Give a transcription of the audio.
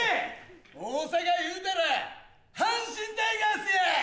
大阪いうたら阪神タイガースや！